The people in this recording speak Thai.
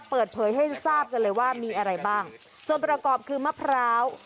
เปิดเผยให้ทราบกันเลยว่ามีอะไรบ้างส่วนประกอบคือมะพร้าว